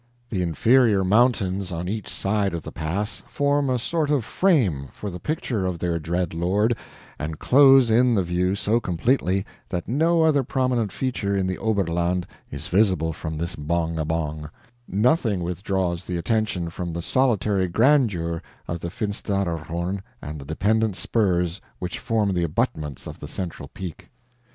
The inferior mountains on each side of the pass form a sort of frame for the picture of their dread lord, and close in the view so completely that no other prominent feature in the Oberland is visible from this BONG A BONG; nothing withdraws the attention from the solitary grandeur of the Finsteraarhorn and the dependent spurs which form the abutments of the central peak.